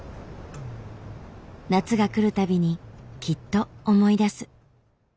夏が来るたびにきっと思い出す。